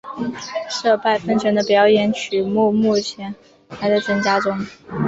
杜拜喷泉的表演曲目目前还在增加中。